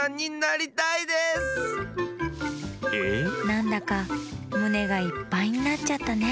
なんだかむねがいっぱいになっちゃったね